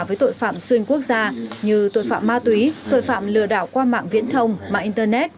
với tội phạm xuyên quốc gia như tội phạm ma túy tội phạm lừa đảo qua mạng viễn thông mạng internet